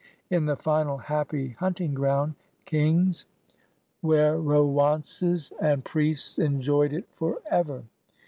In the final happy himting groimd, kings, werowances, and priests enjoyed it forever.